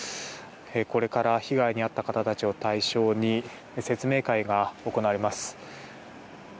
これから被害に遭った方たちを対象に説明会が行われます。